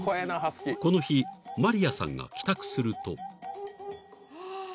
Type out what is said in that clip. ［この日マリヤさんが帰宅すると］